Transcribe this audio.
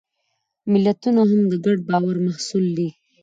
ملتونه هم د ګډ باور محصول دي.